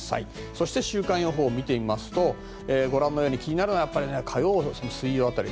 そして週間予報を見てみますとご覧のように気になるのは火曜日、水曜日辺り。